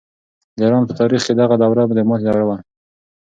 د ایران په تاریخ کې دغه دوره د ماتې دوره وه.